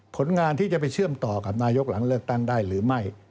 ผลงานที่จะไปเชื่อมต่อกับนายกหลังเลือกตั้งได้หรือไม่